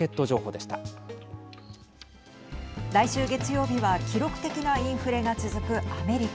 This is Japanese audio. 来週月曜日は記録的なインフレが続くアメリカ。